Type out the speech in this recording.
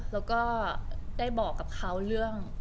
แล้วก็ได้บอกกับเขาเรื่อง